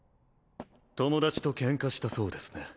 友達とケンカしたそうですね？